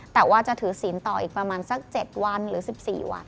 แต่ว่าจะถือศีลต่ออีกประมาณสัก๗วันหรือ๑๔วัน